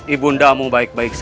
ibu unda mau baik baiknya